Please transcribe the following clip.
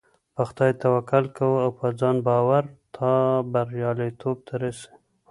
په خدای توکل کوه او په ځان باور تا برياليتوب ته رسوي .